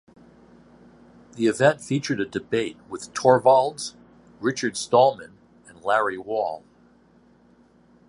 The event featured a debate with Torvalds, Richard Stallman and Larry Wall.